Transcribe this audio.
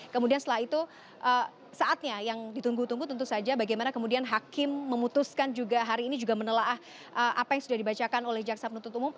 kemudian setelah itu saatnya yang ditunggu tunggu tentu saja bagaimana kemudian hakim memutuskan juga hari ini juga menelaah apa yang sudah dibacakan oleh jaksa penuntut umum